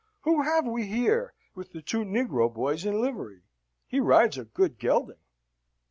Who have we here, with the two negro boys in livery? He rides a good gelding."